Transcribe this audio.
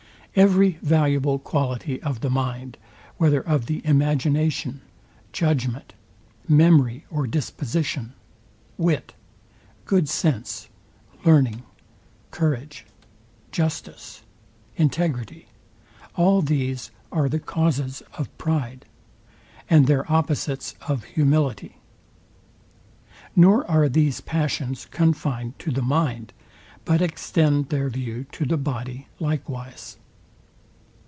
Every valuable quality of the mind, whether of the imagination, judgment, memory or disposition; wit, good sense, learning, courage, justice, integrity; all these are the cause of pride; and their opposites of humility. Nor are these passions confined to the mind but extend their view to the body likewise.